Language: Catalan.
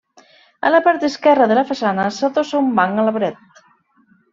A la part esquerra de la façana s'adossa un banc a la paret.